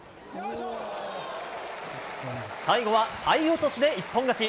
最後は体落としで一本勝ち。